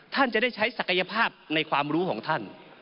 ท่านจะได้ใช้ศักยภาพในความรู้ของท่าน